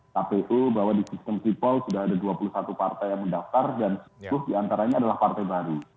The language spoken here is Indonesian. kpu bahwa di sistem sipol sudah ada dua puluh satu partai yang mendaftar dan sepuluh diantaranya adalah partai baru